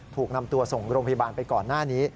ถูกนำตัวส่งโรงพยาบาลไปก่อนหน้านี้